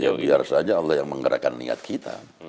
ya biar saja allah yang menggerakkan niat kita